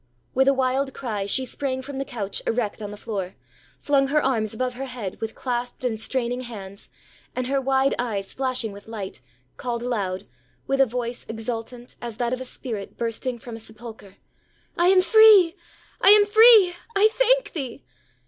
With a wild cry, she sprang from the couch erect on the floor, flung her arms above her head, with clasped and straining hands, and, her wide eyes flashing with light, called aloud, with a voice exultant as that of a spirit bursting from a sepulchre, ãI am free! I am free! I thank thee!